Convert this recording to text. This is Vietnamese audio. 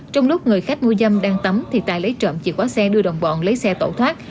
trong lúc người khách mua dâm đang tắm thì tài lấy trộm chìa khóa xe đưa đồng bọn lấy xe tẩu thoát